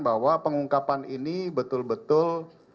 bahwa pengungkapan ini betul betul